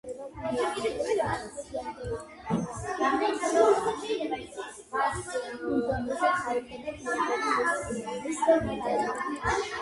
მთელი თავისი წინასაარჩევნო კამპანიის დროს წინ წამოსწია აგრარული და პოლიტიკური რეფორმების გატარების აუცილებლობა.